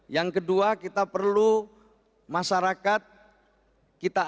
yang kedua kita perlu masyarakat kita ajak untuk memahami lebih bagus lagi era digital ini